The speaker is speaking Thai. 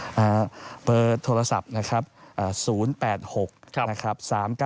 ้าเบอร์โทรศัพท์นะครับ